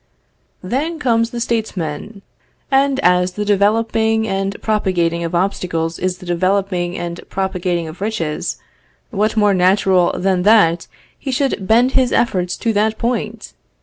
Then comes the statesman; and as the developing and propagating of obstacles is the developing and propagating of riches, what more natural than that he should bend his efforts to that point?